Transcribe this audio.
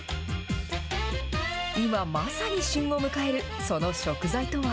今まさに旬を迎える、その食材とは。